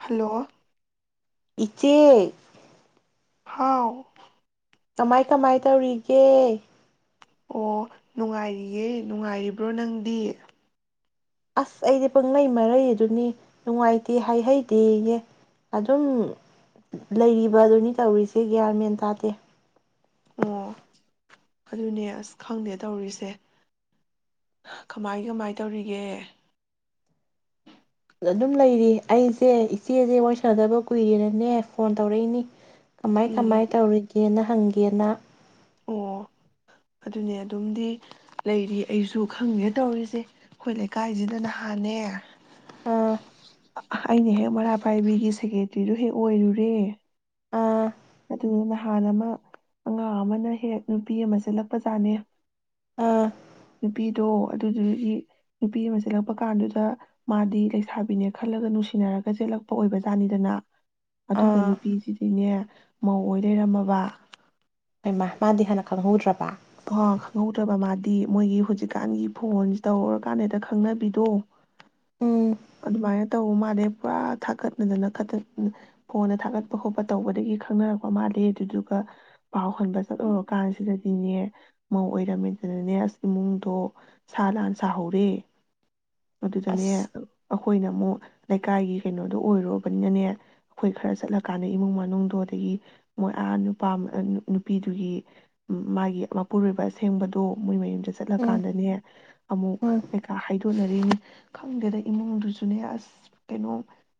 Hello ꯏꯆꯦ ꯍꯥꯎ ꯀꯃꯥꯏ ꯀꯃꯥꯏ ꯇꯧꯔꯤꯒꯦ ꯑꯣ ꯅꯨꯡꯉꯥꯏꯔꯤꯌꯦ ꯅꯨꯡꯉꯥꯏꯔꯤꯕ꯭ꯔꯣ ꯅꯪꯗꯤ ꯑꯁ ꯑꯩꯗꯤ ꯄꯪꯂꯩ ꯃꯔꯩ ꯑꯗꯨꯅꯤ ꯅꯨꯡꯉꯥꯏꯇꯦ ꯍꯥꯏꯍꯩꯗꯦꯌꯦ ꯑꯗꯨꯝ ꯂꯩꯔꯤꯕ ꯑꯗꯨꯅꯤ ꯇꯧꯔꯤꯁꯦ ꯒ꯭ꯌꯥꯟꯃꯦꯟ ꯇꯥꯗꯦ ꯑꯣ ꯑꯗꯨꯅꯦ ꯑꯁ ꯈꯪꯗꯦ ꯇꯧꯔꯤꯁꯦ ꯀꯃꯥꯏ ꯀꯃꯥꯏ ꯇꯧꯔꯤꯒꯦ ꯑꯗꯨꯝ ꯂꯩꯔꯤ ꯑꯩꯁꯦ ꯏꯆꯦꯁꯦ ꯋꯥꯔꯤ ꯁꯥꯟꯅꯗꯕ ꯀꯨꯏꯔꯦꯅꯅꯦ ꯐꯣꯟ ꯇꯧꯔꯛꯏꯅꯤ ꯀꯃꯥꯏ ꯎꯝ ꯀꯃꯥꯏ ꯇꯧꯔꯤꯒꯦꯅ ꯍꯪꯒꯦꯅ ꯑꯣ ꯑꯗꯨꯅꯦ ꯑꯗꯨꯝꯗꯤ ꯂꯩꯔꯤ ꯑꯩꯁꯨ ꯈꯪꯒꯦ ꯇꯧꯔꯤꯁꯦ ꯑꯩꯈꯣꯏ ꯂꯩꯀꯥꯏꯁꯤꯗ ꯅꯍꯥꯟꯅꯦ ꯑꯥ ꯑꯩꯅ ꯍꯦꯛ ꯃꯩꯔꯥ ꯄꯥꯏꯕꯤꯒꯤ ꯁꯦꯀ꯭ꯔꯦꯇ꯭ꯔꯤꯗꯨ ꯍꯦꯛ ꯑꯣꯏꯔꯨꯔꯦ ꯑꯥ ꯑꯗꯨꯅ ꯅꯍꯥꯟ ꯑꯃ ꯑꯉꯥꯡ ꯑꯃꯅ ꯍꯦꯛ ꯅꯨꯄꯤ ꯑꯃ ꯆꯦꯜꯂꯛꯄꯖꯥꯠꯅꯤ ꯑꯥ ꯅꯨꯄꯤꯗꯣ ꯑꯗꯨꯗꯨꯒꯤ ꯅꯨꯄꯤ ꯑꯃ ꯆꯦꯜꯂꯛꯄ ꯀꯥꯟꯗꯨꯗ ꯃꯥꯗꯤ ꯂꯩꯁꯥꯕꯤꯅꯦ ꯈꯜꯂꯒ ꯅꯨꯡꯁꯤꯅꯔꯒ ꯆꯦꯜꯂꯛꯄ ꯑꯣꯏꯕꯖꯥꯠꯅꯤꯗꯅ ꯑꯗꯨꯒ ꯑꯥ ꯅꯨꯄꯤꯁꯤꯗꯤꯅꯦ ꯃꯧꯏ ꯂꯩꯔꯝꯃꯕ ꯃꯥꯗꯤ ꯍꯥꯟꯅ ꯈꯪꯍꯧꯗ꯭ꯔꯥꯕ ꯑ ꯈꯪꯍꯧꯗ꯭ꯔꯕ ꯃꯥꯗꯤ ꯃꯣꯏꯒꯤ ꯍꯧꯖꯤꯛꯀꯥꯟꯒꯤ ꯐꯣꯟ ꯇꯧꯔꯀꯥꯟ ꯗ ꯈꯪꯅꯕꯤꯗꯣ ꯎꯝ ꯑꯗꯨꯃꯥꯏꯅ ꯇꯧꯕ ꯃꯥꯜꯂꯦ ꯄꯨꯔꯥ ꯊꯥꯀꯠꯅꯗꯅ ꯐꯣꯟꯅ ꯊꯥꯒꯠꯄ ꯈꯣꯠꯄ ꯇꯧꯕꯗꯒꯤ ꯈꯪꯅꯔꯛꯄ ꯃꯥꯜꯂꯦ ꯑꯗꯨꯗꯨꯒ ꯄꯥꯎ ꯍꯟꯕ ꯆꯠꯂꯨꯔꯀꯥꯟꯁꯤꯗꯗꯤꯅꯦ ꯃꯧ ꯑꯣꯏꯔꯝꯃꯤꯗꯅꯅꯦ ꯑꯁ ꯏꯃꯨꯡꯗꯣ ꯁꯥ ꯂꯥꯟ ꯁꯥꯍꯧꯔꯦ ꯑꯗꯨꯗꯅꯦ ꯑꯁ ꯑꯩꯈꯣꯏꯅ ꯑꯃꯨꯛ ꯂꯩꯀꯥꯏꯒꯤ ꯀꯩꯅꯣꯗꯣ ꯑꯣꯏꯔꯨꯕꯅꯤꯅꯅꯦ ꯑꯩꯈꯣꯏ ꯈꯔ ꯆꯠꯂꯀꯥꯟꯗ ꯏꯃꯨꯡ ꯃꯅꯨꯡꯗꯣ ꯑꯗꯒꯤ ꯃꯣꯏ ꯑꯥ ꯅꯨꯄꯥ ꯅꯨꯄꯤꯗꯨꯒꯤ ꯃꯥꯒꯤ ꯃꯄꯨꯔꯣꯏꯕ ꯑꯁꯦꯡꯕꯗꯣ ꯃꯣꯏ ꯃꯌꯨꯝ ꯎꯝ ꯆꯠꯂꯀꯥꯟꯗꯅꯦ ꯑꯃꯨꯛ ꯎꯝ ꯀꯩꯀꯥ ꯍꯥꯏꯗꯣ ꯈꯪꯗꯦꯗ ꯏꯃꯨꯡꯗꯨꯁꯨꯅꯦ ꯑꯁ ꯀꯩꯅꯣ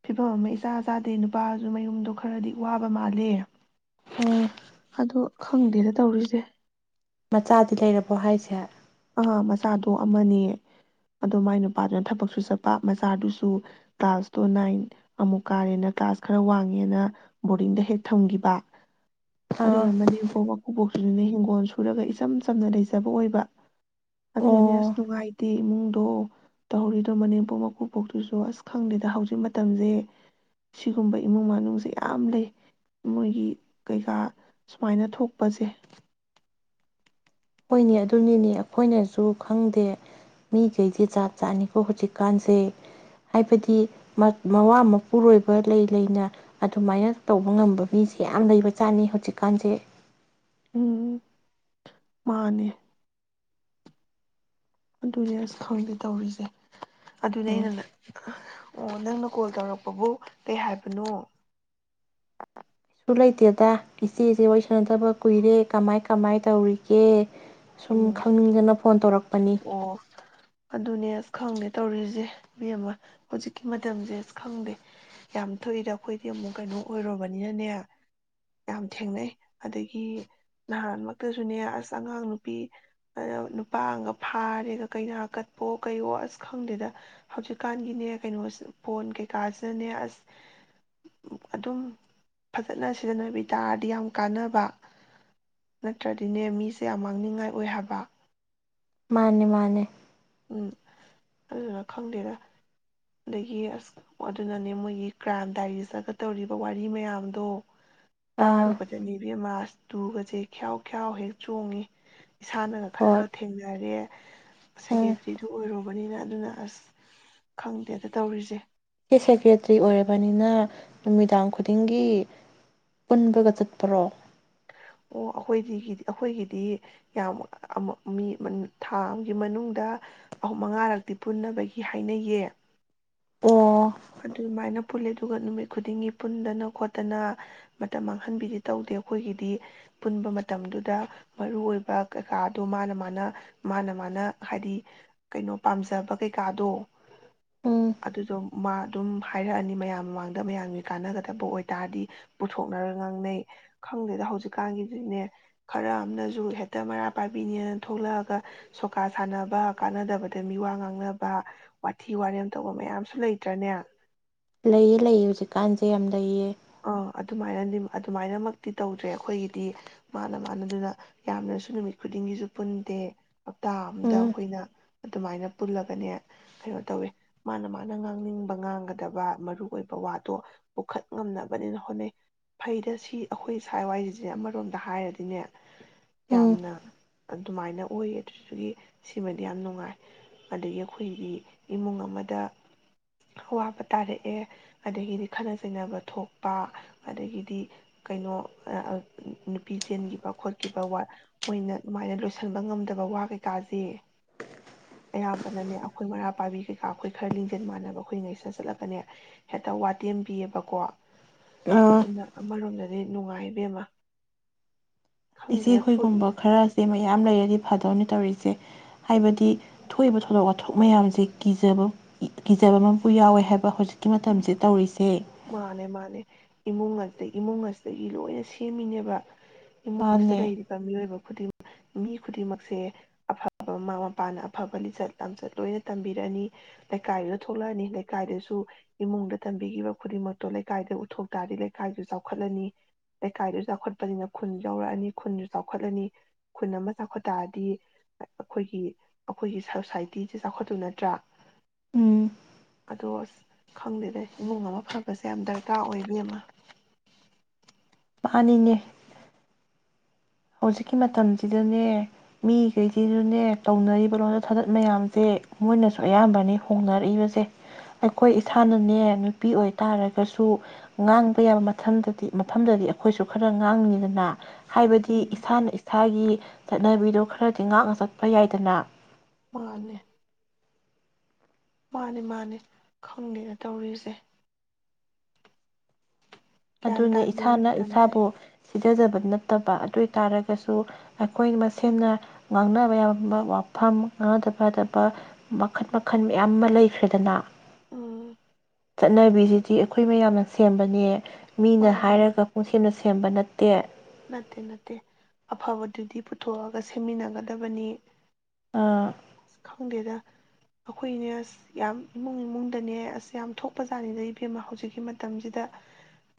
ꯐꯤꯕꯝ ꯑꯃ ꯏꯆꯥ ꯆꯥꯗꯦ ꯅꯨꯄꯥꯁꯨ ꯃꯌꯨꯝꯗꯣ ꯈꯔꯗꯤ ꯋꯥꯕ ꯃꯥꯜꯂꯦ ꯎꯝ ꯑꯗꯨ ꯈꯪꯗꯦꯗ ꯇꯧꯔꯤꯁꯦ ꯃꯆꯥꯗꯤ ꯂꯩꯔꯕꯣ ꯍꯥꯏꯁꯦ ꯑ ꯃꯆꯥꯗꯣ ꯑꯃꯅꯦ ꯑꯗꯣ ꯃꯥꯏ ꯅꯨꯄꯥꯗꯨꯅ ꯊꯕꯛꯁꯨ ꯆꯠꯄ ꯃꯆꯥꯗꯨꯁꯨ ꯀ꯭ꯂꯥꯁ ꯇꯣ ꯅꯥꯏꯟ ꯑꯃꯨꯛ ꯀꯥꯔꯦꯅ ꯀ꯭ꯂꯥꯁ ꯈꯔ ꯋꯥꯡꯉꯦꯅ ꯕꯣꯔꯗꯤꯡꯗ ꯍꯦꯛ ꯊꯝꯈꯤꯕ꯫ ꯑꯗꯨꯗ ꯑꯥ ꯅ ꯃꯅꯦꯝꯄꯣꯛ ꯃꯀꯨꯕꯣꯛ ꯑꯗꯨꯅ ꯍꯤꯡꯒꯣꯜ ꯁꯨꯔꯒ ꯏꯆꯝ ꯆꯝꯅ ꯂꯩꯖꯕ ꯑꯣꯏꯕ ꯑꯗꯨꯅꯅꯦ ꯑꯣ ꯑꯁ ꯅꯨꯡꯉꯥꯏ ꯏꯃꯨꯡꯗꯣ ꯇꯧꯔꯤꯗꯣ ꯃꯅꯦꯝꯄꯣꯛ ꯃꯀꯨꯕꯣꯛꯇꯨꯁꯨ ꯑꯁ ꯈꯪꯗꯦꯗ ꯍꯧꯖꯤꯛ ꯃꯇꯝꯁꯦ ꯁꯤꯒꯨꯝꯕ ꯏꯃꯨꯡ ꯃꯅꯨꯡꯁꯦ ꯌꯥꯝ ꯂꯩ ꯃꯣꯏꯒꯤ ꯀꯩꯀꯥ ꯁꯨꯃꯥꯏꯅ ꯊꯣꯛꯄꯁꯦ꯫ ꯍꯣꯏꯅꯦ ꯑꯗꯨꯅꯤꯅꯦ ꯑꯩꯈꯣꯏꯅꯁꯨ ꯈꯪꯗꯦ ꯃꯤꯈꯩꯁꯦ ꯆꯥꯠ ꯆꯥꯠꯅꯤꯀꯣ ꯍꯧꯖꯤꯛꯀꯥꯟꯁꯦ ꯍꯥꯏꯕꯗꯤ ꯃꯋꯥ ꯃꯄꯨꯔꯣꯏꯕ ꯂꯩ ꯂꯩꯅ ꯑꯗꯨꯃꯥꯏꯅ ꯇꯧꯕ ꯉꯝꯕ ꯃꯤꯁꯦ ꯌꯥꯝ ꯂꯩꯕ ꯆꯥꯠꯅꯤ ꯍꯧꯖꯤꯛꯀꯥꯟꯁꯦ꯫ ꯎꯝ ꯃꯥꯅꯦ ꯑꯗꯨꯅꯦ ꯑꯁ ꯈꯪꯗ ꯇꯧꯔꯤꯁꯦ ꯑꯗꯨꯅꯦ ꯎꯝ ꯑꯩꯅꯪ ꯑꯣ ꯅꯪꯅ ꯀꯣꯜ ꯇꯧꯔꯛꯄꯕꯨ ꯀꯩ ꯍꯥꯏꯕꯅꯣ꯫ ꯨ ꯂꯩꯇꯦꯗ ꯏꯆꯦꯁꯦ ꯋꯥꯔꯤꯁꯅꯗꯕ ꯀꯨꯏꯔꯦ ꯀꯃꯥꯏ ꯀꯃꯥꯏ ꯇꯧꯔꯤꯒꯦ ꯁꯨꯝ ꯎꯝ ꯈꯪꯅꯤꯡꯗꯅ ꯐꯣꯟ ꯇꯧꯔꯛꯄꯅꯤ꯫ ꯑꯣ ꯑꯗꯨꯅꯦ ꯑꯁ ꯈꯪꯗꯦ ꯇꯧꯔꯤꯁꯦ ꯃꯤ ꯑꯃ ꯍꯧꯖꯤꯛꯀꯤ ꯃꯇꯝꯁꯦ ꯑꯁ ꯈꯪꯗꯦ ꯌꯥꯝ ꯊꯣꯛꯏꯗ ꯑꯩꯈꯣꯏꯗꯤ ꯑꯃꯨꯛ ꯀꯩꯅꯣ ꯑꯣꯏꯔꯨꯔꯕꯅꯤꯅꯅꯦ ꯌꯥꯝ ꯊꯦꯡꯅꯩ ꯑꯗꯒꯤ ꯅꯍꯥꯟꯃꯛꯇꯁꯨꯅꯦ ꯑꯁ ꯑꯉꯥꯡ ꯅꯨ ꯅꯨꯄꯤ ꯅꯨꯄꯥꯒ ꯐꯥꯔꯦꯒ ꯀꯅꯥ ꯀꯠꯄꯣ ꯀꯩꯌꯣ ꯑꯁ ꯈꯪꯗꯦꯗ ꯍꯧꯖꯤꯛꯀꯥꯟꯒꯤꯅꯦ ꯀꯩꯅꯣ ꯐꯣꯟ ꯀꯩꯀꯥꯁꯤꯅꯅꯦ ꯑꯁ ꯑꯗꯨꯝ ꯐꯖꯅ ꯁꯤꯖꯤꯟꯅꯕꯤ ꯇꯥꯔꯗꯤ ꯌꯥꯝ ꯀꯥꯟꯅꯕ ꯅꯠꯇ꯭ꯔꯗꯤꯅꯦ ꯃꯤꯁꯦ ꯌꯥꯝ ꯃꯥꯡꯅꯤꯡꯕ ꯉꯥꯏ ꯑꯣꯏ ꯍꯥꯏꯕ ꯃꯥꯅꯦ ꯃꯥꯅꯦ ꯎꯝ ꯑꯗꯨꯗꯨꯅ ꯈꯪꯗꯦꯗ ꯑꯗꯒꯤ ꯑꯁ ꯑꯗꯨꯅꯅꯦ ꯃꯣꯏꯒꯤ ꯀ꯭ꯔꯥꯏꯝ ꯗꯥꯏꯔꯤꯒ ꯇꯧꯔꯤꯕ ꯋꯥꯔꯤ ꯃꯌꯥꯝꯗꯣ ꯑꯥ ꯇꯥꯔꯨꯕꯗꯅꯦ ꯏꯕꯦꯝꯃ ꯑꯁ ꯇꯨꯒꯁꯦ ꯈꯌꯥꯎ ꯈꯌꯥꯎ ꯍꯦꯛ ꯆꯣꯡꯉ ꯏꯁꯥꯅꯒ ꯍꯣꯏ ꯈꯔꯒ ꯊꯦꯡꯅꯔꯦ ꯎꯝ ꯁꯦꯀꯦꯗ꯭ꯔꯤꯗꯨ ꯑꯣꯏꯔꯨꯕꯅꯤꯅ ꯑꯗꯨꯅ ꯑꯁ ꯈꯪꯗꯦꯗ ꯇꯧꯔꯤꯁꯦ ꯏꯁꯦꯞ ꯁꯦꯀ꯭ꯔꯦꯇ꯭ꯔꯤ ꯑꯣꯏꯔꯕꯅꯤꯅ ꯅꯨꯃꯤꯗꯥꯡ ꯈꯨꯗꯤꯡꯒꯤ ꯄꯨꯟꯕꯒ ꯆꯠꯄꯔꯣ ꯑꯣ ꯑꯩꯈꯣꯏꯗꯤ ꯑꯩꯈꯣꯏꯒꯤꯗꯤ ꯌꯥꯝ ꯃꯤ ꯊꯥ ꯑꯃꯒꯤ ꯃꯅꯨꯡꯗ ꯑꯍꯨꯝ ꯃꯉꯥꯔꯛꯇꯤ ꯄꯨꯟꯅꯕꯒꯤ ꯍꯥꯏꯅꯩꯌꯦ ꯑꯣ ꯑꯗꯨꯃꯥꯏꯅ ꯄꯨꯂꯦ ꯑꯗꯨꯒ ꯅꯨꯃꯤꯠ ꯈꯨꯗꯤꯡꯒꯤ ꯄꯨꯟꯗꯅ ꯈꯣꯠꯇꯅ ꯃꯇꯝ ꯃꯥꯡꯍꯟꯕꯤꯗꯤ ꯇꯧꯗꯦ ꯑꯩꯈꯣꯏꯒꯤꯗꯤ ꯄꯨꯟꯕ ꯃꯇꯝꯗꯨꯗ ꯃꯔꯨ ꯑꯣꯏꯕ ꯀꯩꯀꯥꯗꯣ ꯃꯥꯅ ꯃꯥꯅ ꯃꯥꯅ ꯃꯥꯅ ꯍꯥꯏꯗꯤ ꯀꯩꯅꯣ ꯄꯥꯝꯖꯕ ꯀꯩꯀꯥꯗꯣ ꯎꯝ ꯑꯗꯨꯗꯣ ꯃꯥ ꯑꯗꯨꯝ ꯍꯥꯏꯔꯛꯑꯅꯤ ꯃꯌꯥꯝ ꯃꯃꯥꯡꯗ ꯃꯌꯥꯝꯒꯤ ꯀꯥꯟꯅꯒꯗꯕ ꯑꯣꯏꯇꯥꯔꯗꯤ ꯄꯨꯊꯣꯛꯅꯔ ꯉꯥꯡꯅꯩ ꯈꯪꯗꯦꯗ ꯍꯧꯖꯤꯛꯇ ꯀꯒꯤꯗꯨꯅꯦ ꯈꯔ ꯑꯃꯅꯁꯨ ꯍꯦꯛꯇ ꯃꯔꯥ ꯄꯥꯏꯕꯤꯅꯦꯅ ꯊꯣꯛꯂꯛꯑꯒ ꯁꯣꯀꯥ ꯁꯥꯟꯅꯕ ꯀꯥꯟꯅꯗꯕꯗ ꯃꯤ ꯋꯥ ꯉꯥꯡꯅꯕ ꯋꯥꯊꯤ ꯋꯥꯔꯦꯝ ꯇꯧꯕ ꯃꯌꯥꯝꯁꯨ ꯂꯩꯇ꯭ꯔꯅꯦ ꯂꯩꯌꯦ ꯂꯩꯌꯦ ꯍꯧꯖꯤꯛꯀꯥꯟꯁꯦ ꯌꯥꯝ ꯂꯩꯌꯦ ꯑꯥ ꯑꯗꯨꯃꯥꯏꯅꯗꯤ ꯑꯗꯨꯃꯥꯏꯅꯃꯛꯇꯤ ꯇꯧꯗ꯭ꯔꯦ ꯑꯩꯈꯣꯏꯒꯤꯗꯤ ꯃꯥꯅ ꯃꯥꯅꯗꯨꯅ ꯌꯥꯝꯅꯁꯨ ꯅꯨꯃꯤꯠ ꯈꯨꯗꯤꯡꯒꯤꯁꯨ ꯄꯨꯟꯗꯦ ꯍꯞꯇꯥ ꯑꯝꯗ ꯎꯝ ꯑꯩꯈꯣꯏꯅ ꯑꯗꯨꯃꯥꯏꯅ ꯄꯨꯜꯂꯒꯅꯦ ꯀꯩꯅꯣ ꯇꯧꯋꯦ ꯃꯥꯅ ꯃꯥꯅ ꯉꯥꯡꯅꯤꯡꯕ ꯉꯥꯡꯒꯗꯕ ꯃꯔꯨ ꯑꯣꯏꯕ ꯋꯥꯗꯣ ꯄꯨꯈꯠ ꯉꯝꯅꯕꯅꯦꯅ ꯍꯣꯠꯅꯩ ꯐꯩꯗ ꯁꯤ ꯑꯩꯈꯣꯏ ꯏꯁꯥꯏ ꯋꯥꯏꯁꯤꯁꯦ ꯑꯃꯔꯣꯝꯗ ꯍꯥꯏꯔꯗꯤꯅꯦ ꯌꯥꯝꯅ ꯑꯗꯨꯃꯥꯏꯅ ꯑꯣꯏꯌꯦ ꯑꯗꯨꯗꯨꯒꯤ ꯁꯤꯃꯗꯤ ꯌꯥꯝ ꯅꯨꯡꯉꯥꯏ ꯑꯗꯒꯤ ꯑꯩꯈꯣꯏꯒꯤ ꯏꯃꯨꯡ ꯑꯃꯗ ꯑꯋꯥꯕ ꯇꯥꯔꯛꯑꯦ ꯑꯗꯒꯤꯗꯤ ꯈꯠꯅ ꯆꯩꯅꯕ ꯊꯣꯛꯄ ꯑꯗꯒꯤꯗꯤ ꯀꯩꯅꯣ ꯅꯨꯄꯤ ꯆꯦꯟꯈꯤꯕ ꯈꯣꯠꯈꯤꯕ ꯋꯥ ꯃꯣꯏꯅ ꯑꯗꯨꯃꯥꯏꯅ ꯂꯣꯏꯁꯤꯟꯕ ꯉꯝꯗꯕ ꯋꯥ ꯀꯩꯀꯥꯁꯦ ꯑꯌꯥꯝꯕꯅꯅꯦ ꯑꯩꯈꯣꯏ ꯃꯔꯥ ꯄꯥꯏꯕꯤ ꯀꯩꯀꯥ ꯑꯩꯈꯣꯏ ꯈꯔ ꯂꯤꯡꯖꯦꯜ ꯃꯥꯟꯅꯕ ꯑꯩꯈꯣꯏ ꯉꯩꯁꯟ ꯆꯠꯂꯒꯅꯦ ꯍꯦꯛꯇ ꯋꯥꯇꯦꯝꯕꯤꯌꯦꯕꯀꯣ ꯎꯝ ꯑꯗꯨ ꯑꯗꯨꯅ ꯑꯔꯣꯦ ꯑꯗꯨ ꯅꯨꯡꯉꯥꯏꯕ ꯑꯃ ꯏꯆꯦ ꯍꯨꯣꯏꯒꯨꯝꯕ ꯈꯔꯁꯦ ꯃꯌꯥꯝ ꯂꯩꯔ ꯍꯥꯏꯗꯤ ꯐꯥꯗꯔꯅꯤ ꯇꯧꯔꯤꯁꯦ ꯍꯥꯏꯕꯗꯤ ꯊꯣꯛꯏꯕ ꯊꯧꯗꯣꯛ ꯋꯥꯊꯣꯛ ꯃꯌꯥꯝꯁꯦ ꯀꯤꯖꯕ ꯀꯤꯖꯕ ꯑꯃꯄꯨ ꯌꯥꯎꯋꯦ ꯍꯥꯏꯕ ꯍꯧꯖꯤꯛ ꯃꯇꯝꯁꯦ ꯇꯧꯔꯤꯁꯦ ꯃꯥꯅꯦ ꯃꯥꯅꯦ ꯏꯃꯨꯡ ꯏꯃꯨꯡ ꯑꯁꯤꯗꯒꯤ ꯂꯣꯏꯅ ꯁꯦꯝꯃꯤꯅꯦꯕ ꯏꯃꯨꯡꯁꯤꯗ ꯃꯥꯅꯦ ꯂꯩꯔꯤꯕ ꯃꯤꯑꯣꯏꯕ ꯈꯨꯗꯤꯡꯃꯛ ꯃꯤ ꯈꯨꯗꯤꯡꯃꯛꯁꯦ ꯑꯐꯕ ꯃꯃꯥ ꯃꯄꯥꯅ ꯑꯐꯕ ꯂꯤꯆꯠ ꯂꯆꯠ ꯂꯣꯏꯅ ꯇꯝꯕꯤꯔꯛꯑꯅꯤ ꯂꯩꯀꯥꯏꯗꯨꯗ ꯊꯣꯛꯂꯛꯑꯅꯤ ꯂꯩꯀꯥꯏꯗꯨꯗꯁꯨ ꯏꯃꯨꯡꯗ ꯇꯝꯕꯤꯈꯤꯕ ꯈꯨꯗꯤꯡꯃꯛꯇꯣ ꯂꯩꯀꯥꯏꯗ ꯎꯠꯊꯣꯛ ꯇꯥꯔꯗꯤ ꯂꯩꯀꯥꯏꯁꯨ ꯆꯥꯎꯈꯠꯂꯅꯤ ꯂꯩꯀꯥꯏꯗꯣ ꯆꯥꯎꯈꯠꯄꯅꯤꯅ ꯈꯨꯟ ꯌꯧꯔꯛꯑꯅꯤ ꯈꯨꯟꯁꯨ ꯆꯥꯎꯈꯠꯂꯅꯤ ꯈꯨꯟ ꯑꯃ ꯆꯥꯎꯈꯠ ꯇꯥꯔꯗꯤ ꯑ ꯑꯩꯈꯣꯏꯒꯤ ꯑꯩꯈꯣꯏꯒꯤ ꯁꯣꯁꯥꯏꯇꯤꯁꯦ ꯆꯥꯎꯈꯠꯇꯨ ꯅꯠꯇ꯭ꯔꯥ ꯎꯝ ꯑꯗꯣ ꯑꯁ ꯈꯪꯗꯦꯗ ꯏꯃꯨꯡ ꯑꯃ ꯐꯕꯁꯦ ꯌꯥꯝ ꯗꯔꯀꯥꯔ ꯑꯣꯏ ꯏꯕꯤꯝꯃ ꯄꯅꯤꯅꯦ ꯍꯧꯖꯤꯛꯀꯤ ꯃꯇꯝꯁꯤꯗꯅꯦ ꯃꯤꯒꯩꯁꯤꯖꯨꯅꯦ ꯇꯧꯅꯔꯤꯕ ꯂꯣꯟꯗ ꯁꯖꯠ ꯃꯌꯥꯝꯖꯦ ꯃꯣꯏꯅꯁꯨ ꯑꯌꯥꯝꯕꯅꯤ ꯍꯣꯡꯅꯔꯛꯏꯕꯁꯦ ꯑꯩꯈꯣꯏ ꯏꯁꯥꯅꯅꯦ ꯅꯨꯄꯤ ꯑꯣꯏꯇꯥꯥꯔꯒꯁꯨ ꯉꯥꯡꯕ ꯌꯥꯕ ꯃꯊꯟꯗꯗꯤ ꯃꯐꯝꯗꯗꯤ ꯑꯥꯈꯣꯏꯁꯨ ꯈꯔ ꯉꯥꯡꯅꯤꯗꯅ ꯍꯥꯏꯕꯗꯤ ꯎꯝ ꯏꯁꯥꯅ ꯏꯁꯥꯒꯤ ꯆꯠꯅꯕꯤꯗꯣ ꯈꯔꯗꯤ ꯉꯥꯛꯅ ꯆꯠꯄ ꯌꯥꯏꯗꯅ ꯃꯥꯅꯦ ꯃꯥꯅꯦ ꯃꯥꯅꯦ ꯈꯪꯗꯦꯗ ꯇꯧꯔꯤꯖꯦ ꯒ꯭ꯌꯥꯟ ꯑꯗꯨꯅꯦ ꯇꯥꯗꯦ ꯏꯁꯥꯅ ꯃꯇꯝꯁꯦ ꯏꯁꯥꯕꯨ ꯁꯤ ꯄꯤꯖꯖꯗꯕ ꯅꯠꯇꯕ ꯑꯗꯨꯏ ꯇꯥꯔꯒꯁꯨ ꯑꯩꯈꯣꯏ ꯃꯁꯦꯝꯅ ꯉꯥꯡꯅꯕ ꯌꯥꯕ ꯃ ꯋꯥꯐꯝ ꯉꯥꯗ ꯄꯥꯗꯕ ꯃꯈꯜ ꯃꯈꯜ ꯃꯌꯥꯝ ꯑꯃ ꯂꯩꯈ꯭ꯔꯦꯗꯅ ꯎꯝ ꯆꯠꯅꯕꯤꯁꯤꯗꯤ ꯑꯩꯈꯣꯏ ꯃꯌꯥꯝꯅ ꯁꯦꯝꯕꯅꯦ ꯃꯤꯅ ꯃꯥꯅꯤ ꯃꯥꯅꯤ ꯍꯥꯏꯔꯒ ꯄꯨꯟꯁꯦꯅ ꯁꯦꯝꯕ ꯅꯠꯇꯦ ꯅꯠꯇꯦ ꯅꯠꯇꯦ ꯑꯐꯕꯗꯨꯗꯤ ꯄꯨꯊꯣꯛꯑꯒ ꯁꯦꯝꯃꯤꯟꯅꯒꯗꯕꯅꯤ ꯑꯥ ꯈꯪꯗꯦꯗ ꯑꯈꯣꯏꯅꯦ ꯑꯁ ꯌꯥꯝ ꯏꯃꯨꯡ ꯏꯃꯨꯡꯗꯅꯦ ꯑꯁ ꯌꯥꯝ ꯊꯣꯛꯄꯖꯥꯠꯅꯤꯗ ꯏꯕꯦꯝꯃ ꯍꯧꯖꯤꯛꯀꯤ ꯃꯇꯝꯖꯤꯗ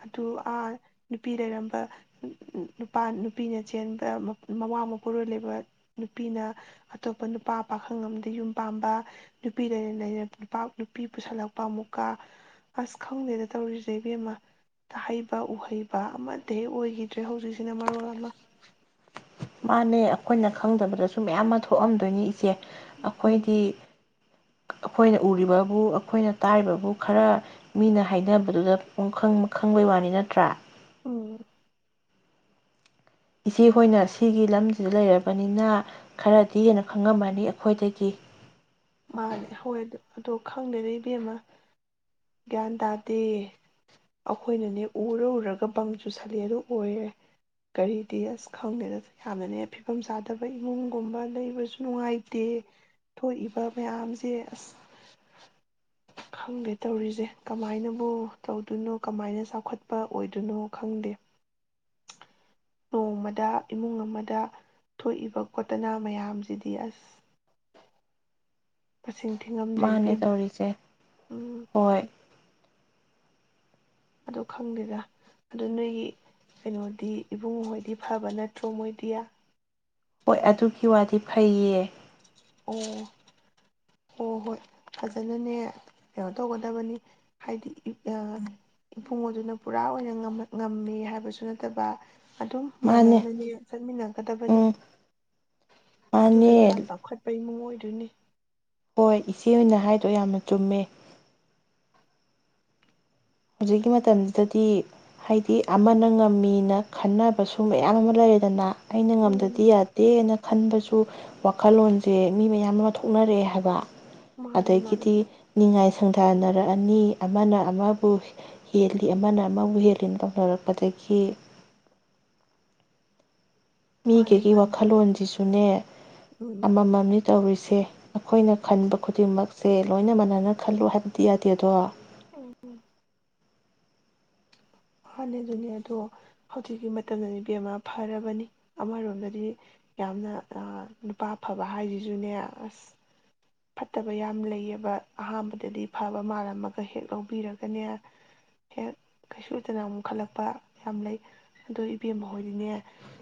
ꯑꯗꯨ ꯑꯥ ꯅꯨꯄꯤ ꯂꯩꯔꯝꯕ ꯎꯝ ꯎꯝ ꯅꯨꯄꯥ ꯅꯨꯄꯤꯅ ꯆꯦꯟꯕ ꯃ ꯃꯋꯥ ꯃꯄꯨꯔꯣꯏ ꯂꯩꯕ ꯅꯨꯄꯤꯅ ꯑꯇꯣꯞꯄ ꯅꯨꯄꯥ ꯄꯥꯈꯪ ꯑꯃꯗ ꯌꯨꯝ ꯄꯥꯝꯕ ꯅꯨꯄꯤ ꯂꯩꯅ ꯂꯩꯅ ꯅꯨꯄ ꯅꯨꯄꯤ ꯄꯨꯁꯜꯂꯛꯄ ꯑꯃꯨꯛꯀ ꯑꯁ ꯈꯪꯗꯦꯗ ꯇꯧꯔꯤꯁꯦ ꯏꯕꯦꯝꯃ ꯇꯥꯍꯩꯕ ꯎꯍꯩꯕ ꯑꯃꯇ ꯍꯦ ꯑꯣꯏꯒꯤ ꯆꯦ ꯍꯧꯖꯤ ꯁꯤꯅ ꯃꯔꯣꯝ ꯑꯥꯃ ꯃꯥꯅꯦ ꯑꯈꯣꯏꯅ ꯈꯪꯗꯕꯗꯁꯨ ꯃꯌꯥꯝ ꯑꯃ ꯊꯣꯛꯑꯝꯗꯣꯏꯅꯤ ꯏꯆꯦ ꯎꯝ ꯑꯩꯈꯣꯏꯗꯤ ꯑꯈꯣꯏꯅ ꯎꯔꯤꯕꯕꯨ ꯑꯩꯈꯣꯏꯅ ꯇꯥꯔꯤꯕꯕꯨ ꯈꯔ ꯃꯤꯅ ꯍꯥꯏꯅꯕꯗꯨꯗ ꯄꯨꯡꯈꯪ ꯃꯈꯪꯕꯩ ꯋꯥꯅꯤ ꯅꯠꯇ꯭ꯔꯥ ꯎꯝ ꯏꯆꯦꯍꯣꯏꯅ ꯁꯤꯒꯤ ꯂꯝꯁꯤꯗ ꯂꯩꯔꯕꯅꯤꯅ ꯈꯔꯗꯤ ꯍꯦꯟꯅ ꯈꯪꯉꯝꯃꯅꯤ ꯑꯩꯈꯣꯏꯗꯒꯤ ꯃꯥꯅꯦ ꯍꯣꯏ ꯑꯗꯨ ꯗꯣ ꯈꯪꯗꯦꯗ ꯏꯕꯦꯝꯃ ꯒ꯭ꯌꯥꯟ ꯇꯥꯗꯦ ꯑꯩꯈꯣꯏꯅꯅꯦ ꯎꯔ ꯎꯔꯒ ꯕꯪ ꯆꯨꯁꯜꯂꯦꯗꯣ ꯑꯣꯏꯔꯦ ꯀꯔꯤꯗꯤ ꯑꯁ ꯈꯪꯗꯦꯗ ꯌꯥꯝꯅꯅꯦ ꯐꯤꯕꯝ ꯆꯥꯗꯕ ꯏꯃꯨꯡꯒꯨꯝꯕ ꯂꯩꯕꯁꯨ ꯅꯨꯡꯉꯥꯏꯇꯦ ꯊꯣꯛꯏꯕ ꯃꯌꯥꯝꯖꯦ ꯑꯁ ꯈꯪꯗꯦ ꯇꯧꯔꯤꯖꯦ ꯀꯃꯥꯏꯅꯕꯨ ꯇꯧꯗꯣꯏꯅꯣ ꯀꯃꯥꯏꯅ ꯆꯥꯎꯈꯠꯄ ꯑꯣꯏꯗꯣꯏꯅꯣ ꯈꯪꯗꯦ ꯅꯣꯡꯃꯗ ꯏꯃꯨꯡ ꯑꯃꯗ ꯊꯣꯛꯏꯕ ꯈꯣꯠꯇꯅꯥ ꯃꯌꯥꯝꯁꯤꯗꯤ ꯑꯁ ꯃꯁꯤꯡ ꯊꯤꯉꯝꯗ꯭ꯔꯦ ꯃꯥꯅꯦ ꯏꯕꯦꯝꯃ ꯇꯧꯔꯤꯁꯦ ꯎꯝ ꯍꯣꯏ ꯑꯗꯨ ꯈꯪꯗꯦꯗ ꯑꯗꯨ ꯅꯣꯏꯒꯤ ꯀꯩꯅꯣꯗꯤ ꯏꯕꯨꯡꯉꯣ ꯍꯣꯏꯗꯤ ꯐꯕ ꯅꯠꯇ꯭ꯔꯣ ꯃꯣꯏꯗꯤ ꯍꯣꯏ ꯑꯗꯨꯒꯤ ꯋꯥꯗꯤ ꯐꯩꯌꯦ ꯑꯣ ꯍꯣ ꯍꯣꯏ ꯐꯖꯅꯅꯦ ꯀꯩꯅꯣ ꯇꯧꯒꯗꯕꯅꯤ ꯍꯥꯏꯗꯤ ꯌꯨ ꯑꯥ ꯏꯕꯨꯡꯉꯣꯗꯨꯅ ꯄꯨꯔꯥ ꯑꯣꯏꯅ ꯉꯝꯃ ꯉꯝꯃꯦ ꯍꯥꯏꯕꯁꯨ ꯅꯠꯇꯕ ꯑꯗꯨꯝ ꯃꯥꯅꯦ ꯃꯥꯟꯅꯅꯅꯦ ꯆꯠꯃꯤꯟꯅꯒꯗꯕꯅꯤ ꯎꯝ ꯃꯥꯅꯦ ꯑꯗꯨꯗꯨꯅ ꯆꯧꯈꯠ ꯄꯩꯉꯣ ꯑꯣꯏꯗꯣꯏꯅꯤ ꯍꯣꯏ ꯏꯆꯦ ꯑꯣꯏꯅ ꯍꯥꯏꯗꯣ ꯌꯥꯝꯅ ꯆꯨꯝꯃꯦ ꯍꯧꯖꯤꯛꯀꯤ ꯃꯇꯝꯖꯤꯗꯗꯤ ꯍꯥꯏꯗꯤ ꯑꯃꯅ ꯉꯝꯃꯤꯅ ꯈꯟꯅꯕꯁꯨ ꯃꯌꯥꯝ ꯑꯃ ꯂꯩꯔꯦꯗꯅ꯫ ꯑꯩꯅ ꯉꯝꯗꯗꯤ ꯎꯝ ꯌꯥꯗꯦꯅ ꯈꯟꯕꯁꯨ ꯋꯥꯈꯜꯂꯣꯟꯁꯦ ꯃꯤ ꯃꯌꯥꯝ ꯑꯃ ꯊꯣꯛꯅꯔꯛꯑꯦ ꯍꯥꯏꯕ꯫ ꯃꯥꯅꯦ ꯃꯥꯅꯦ ꯑꯗꯒꯤꯗꯤ ꯅꯤꯡꯉꯥꯏ ꯁꯪꯊꯅꯔꯛꯑꯅꯤ ꯑꯃꯅ ꯑꯃ ꯍꯦꯜꯂꯤ ꯑꯃꯅ ꯑꯃꯕꯨ ꯍꯦꯜꯂꯤꯅ ꯇꯧꯅꯔꯛꯄꯗꯒꯤ ꯃꯥꯅꯦ ꯃꯤꯒꯤꯒꯤ ꯃꯥꯅꯦ ꯋꯥꯈꯜꯂꯣꯟꯁꯤꯁꯨꯅꯦ ꯎꯝ ꯑꯃꯃꯝꯅꯤ ꯇꯧꯔꯤꯁꯦ꯫ ꯑꯩꯈꯣꯏꯅ ꯈꯟꯕ ꯈꯨꯗꯤꯡꯃꯛꯁꯦ ꯂꯣꯏꯅ ꯃꯥꯟꯅꯅ ꯈꯜꯂꯨ ꯍꯥꯏꯕꯗꯤ ꯌꯥꯗꯦꯗꯣ꯫ ꯎꯝ ꯃꯥꯅꯦ ꯑꯗꯨꯅꯦ ꯑꯗꯣ ꯍꯧꯖꯤꯛꯀꯤ ꯃꯇꯝꯗꯗꯤ ꯏꯕꯦꯝꯃ ꯐꯔꯕꯅꯤ ꯑꯃꯔꯣꯝꯗꯗꯤ ꯌꯥꯝꯅ ꯑꯥ ꯅꯨꯄꯥ ꯑꯐꯕ ꯍꯥꯏꯁꯤꯁꯨꯅꯦ ꯑꯁ ꯐꯠꯇꯕ ꯌꯥꯝ ꯂꯩꯌꯦꯕ ꯑꯍꯥꯥꯟꯕꯗꯗꯤ ꯐꯕ ꯃꯥꯜꯂꯝꯃꯒ ꯍꯦꯛ ꯂꯧꯕꯤꯔꯒꯅꯦ ꯍꯦꯛ ꯀꯩꯁꯨ ꯐꯠꯇꯅ ꯑꯃꯨꯛ ꯈꯜꯂꯛꯄ ꯌꯥꯝ ꯂꯩ ꯑꯗꯨꯗꯣ ꯏꯕꯦꯝꯃ ꯍꯣꯏꯗꯤꯅꯦ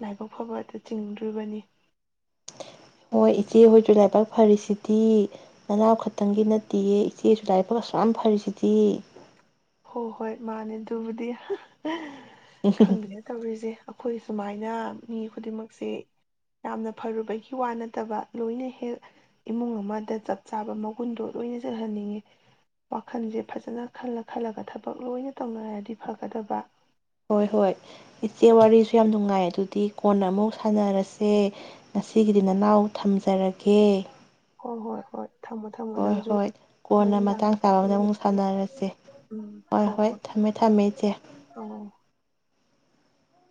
ꯂꯥꯏꯕꯛ ꯐꯕ ꯆꯤꯡꯗ꯭ꯣꯔꯤꯕꯅꯤ꯫ ꯍꯣꯏ ꯏꯆꯦꯍꯣꯏꯁꯨ ꯂꯥꯏꯕꯛ ꯐꯔꯤꯁꯤꯗꯤ ꯅꯅꯥꯎ ꯈꯛꯇꯪꯒꯤ ꯅꯠꯇꯦꯌꯦ ꯏꯆꯦꯁꯨ ꯂꯥꯏꯕꯛ ꯑꯁꯨꯛ ꯌꯥꯝ ꯐꯔꯤꯁꯤꯗꯤ꯫ ꯍꯣꯏ ꯍꯣꯏ ꯃꯥꯅꯦ ꯑꯗꯨꯕꯨꯗꯤ꯫ ꯈꯪꯗꯦ ꯇꯧꯔꯤꯁꯦ ꯑꯩꯈꯣꯏ ꯁꯨꯃꯥꯏꯅ ꯃꯤ ꯈꯨꯗꯤꯡꯃꯛꯁꯦ ꯌꯥꯝꯅ ꯐꯔꯨꯕꯒꯤ ꯋꯥ ꯅꯠꯇꯕ ꯂꯣꯏꯅ ꯍꯦꯛ ꯏꯃꯨꯡ ꯑꯃꯗ ꯆꯞ ꯆꯥꯕ ꯃꯒꯨꯟꯗꯣ ꯂꯣꯏꯅ ꯆꯜꯍꯟꯅꯤꯡꯉꯤ ꯋꯥꯈꯜꯁꯦ ꯐꯖꯅ ꯈꯜꯂꯛ ꯈꯜꯂꯒ ꯊꯕꯛ ꯂꯣꯏꯅ ꯇꯧꯅꯔꯗꯤ ꯐꯒꯗꯕ ꯍꯣꯏ ꯍꯣꯏ ꯏꯆꯦ ꯋꯥꯔꯤꯁꯨ ꯌꯥꯝ ꯅꯨꯡꯉꯥꯏ ꯑꯗꯨꯗꯤ ꯀꯣꯟꯅ ꯑꯃꯨꯛ ꯁꯥꯟꯅꯔꯁꯦ ꯉꯁꯤꯒꯤꯗꯤ ꯅꯅꯥꯎ ꯊꯝꯖꯔꯒꯦ꯫ ꯍꯣꯏ ꯍꯣꯏ ꯍꯣꯏ ꯊꯝꯃꯣ ꯊꯝꯃꯣ ꯍꯣꯏ ꯅꯪꯁꯨ ꯍꯣꯏ ꯊꯕꯛ ꯀꯣꯟꯅ ꯏꯟꯈꯥꯡ ꯃꯇꯥꯡ ꯆꯥꯕ ꯀꯩꯀꯥꯗ ꯑꯃꯗ ꯑꯃꯨꯛ ꯂꯁꯤꯂꯣ ꯁꯥꯟꯅꯔꯁꯦ ꯎꯝ ꯍꯣꯏ ꯍꯣꯏ ꯊꯝꯃꯦ ꯊꯝꯃꯦ ꯏꯆꯦ